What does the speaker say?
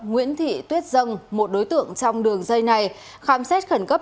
nguyễn thị tuyết dân một đối tượng trong đường dây này khám xét khẩn cấp